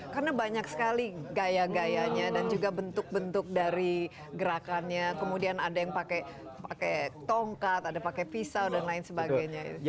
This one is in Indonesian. karena banyak sekali gaya gayanya dan juga bentuk bentuk dari gerakannya kemudian ada yang pakai tongkat ada pakai pisau dan lain sebagainya